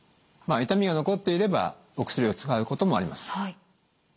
まあ痛みが残っていればお薬を使うこともあります。